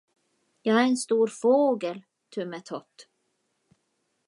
Jag är en stor fågel, Tummetott